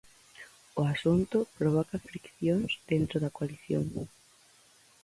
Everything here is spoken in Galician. O asunto provoca friccións dentro da coalición.